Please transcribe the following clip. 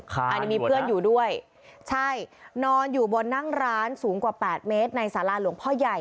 อันนี้มีเพื่อนอยู่ด้วยใช่นอนอยู่บนนั่งร้านสูงกว่าแปดเมตรในสาราหลวงพ่อใหญ่